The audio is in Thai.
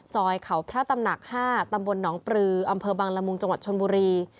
ซอยเขาพระตำหนัก๕ตำบลหนองปลืออำเภอบังละมุงจังหวัดชนบุรี